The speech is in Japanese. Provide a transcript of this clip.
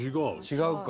違うか。